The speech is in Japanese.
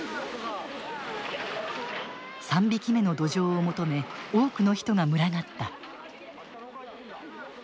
三匹目のどじょうを求め多くの人が群がった。